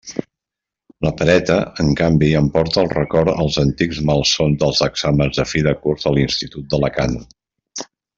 La pereta, en canvi, em porta al record els antics malsons dels exàmens de fi de curs a l'institut d'Alacant.